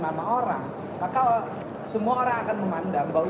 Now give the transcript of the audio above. karena konsep gagasan maka gagasan kita jangan dipandang menjadi subjektif